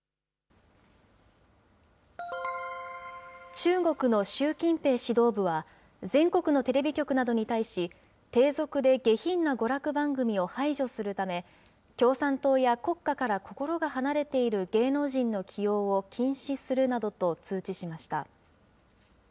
中国の習近平指導部は、全国のテレビ局などに対し、低俗で下品な娯楽番組を排除するため、共産党や国家から心が離れている芸能人の起用を禁止するなどと通知しました。